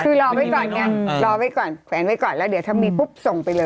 คือรอไว้ก่อนไงรอไว้ก่อนแขวนไว้ก่อนแล้วเดี๋ยวถ้ามีปุ๊บส่งไปเลย